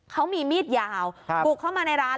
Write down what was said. เขามีมีดยาวบุกเข้ามาในร้าน